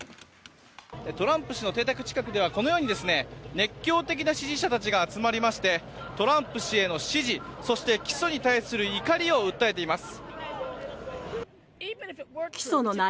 トランプ氏の邸宅近くではこのように熱狂的な支持者たちが集まりましてトランプ氏への支持そして、起訴に対する怒りを訴えています。